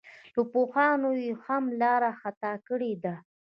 له پوهانو یې هم لار خطا کړې ده.